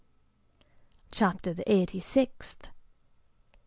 CHAPTER THE EIGHTY SIXTH.